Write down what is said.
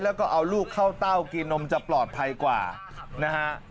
แล้วก็เอาลูกเข้าเต้ากินนมจะปลอดภัยกว่านะฮะ